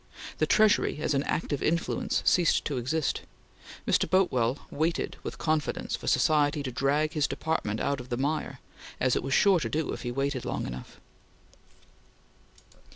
The Treasury as an active influence ceased to exist. Mr. Boutwell waited with confidence for society to drag his department out of the mire, as it was sure to do if he waited long enough.